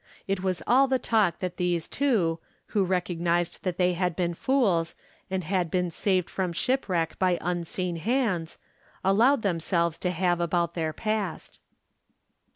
It was all the talk that these two, who recognized that they had been fools, and 370 From Different Standpoints. had had been saved from shipwreck by unseen hands, allowed themselves to have about their past.